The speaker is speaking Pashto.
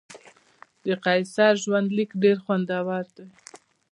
د قیصر ژوندلیک ډېر خوندور دی.